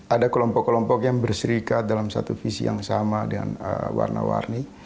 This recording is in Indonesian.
ada kelompok kelompok yang berserikat dalam satu visi yang sama dengan warna warni